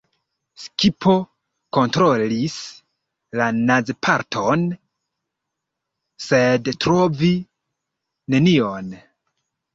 Skipo kontrolis la naz-parton, sed trovis nenion.